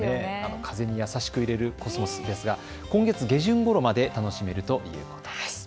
風に優しく揺れるコスモスですが今月下旬ごろまで楽しめるということです。